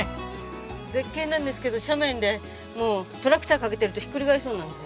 絶景なんですけど斜面でトラクターかけてるとひっくり返りそうになるんです。